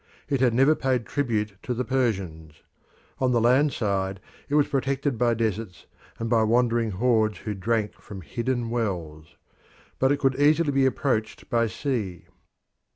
It had never paid tribute to the Persians. On the land side it was protected by deserts and by wandering hordes who drank from hidden wells. But it could easily be approached by sea.